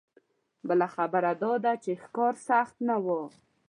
بله خبره دا ده چې ښکار سخت نه و.